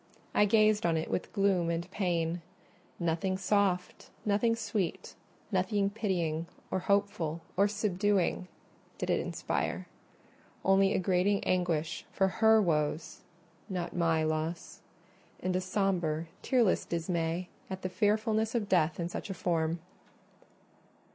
I gazed on it with gloom and pain: nothing soft, nothing sweet, nothing pitying, or hopeful, or subduing did it inspire; only a grating anguish for her woes—not my loss—and a sombre tearless dismay at the fearfulness of death in such a form.